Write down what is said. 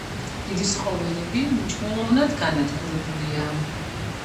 დიდი ცხოველები მნიშვნელოვნად განადგურებულია.